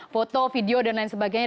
foto video dan lain sebagainya